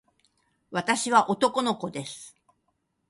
私は男の子です。